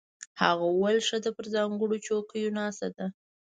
هغه وویل ښځه پر ځانګړو څوکیو ناسته ده.